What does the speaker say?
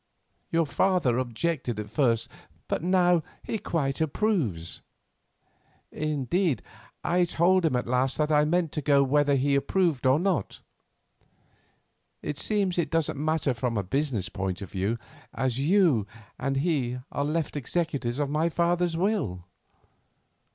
Your father objected at first, but now he quite approves; indeed, I told him at last that I meant to go whether he approved or not. It seems it doesn't matter from a business point of view, as you and he are left executors of my father's will.